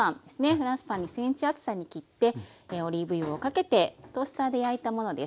フランスパン２ｃｍ厚さに切ってオリーブ油をかけてトースターで焼いたものです。